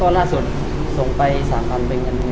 ก็ล่าสุดส่งไป๓๐๐๐เบนกันเงิน๓๐๐๐บาท